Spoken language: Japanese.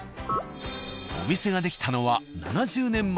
お店ができたのは７０年前。